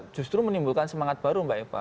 justru menimbulkan semangat baru mbak eva